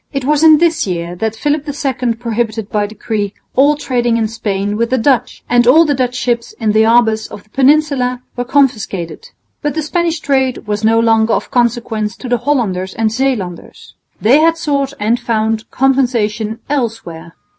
It was in this year that Philip II prohibited by decree all trading in Spain with the Dutch, and all the Dutch ships in the harbours of the Peninsula were confiscated. But the Spanish trade was no longer of consequence to the Hollanders and Zeelanders. They had sought and found compensation elsewhere.